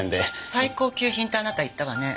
「最高級品ってあなた言ったわね」